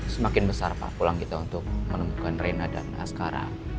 semakin besar pak pulang kita untuk menemukan reina dan askara